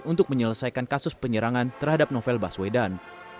untuk menyelesaikan kasus penyerangan terhadap novel baswedan